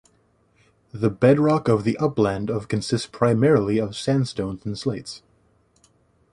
The bedrock of the Upland of consists primarily of sandstones and slates.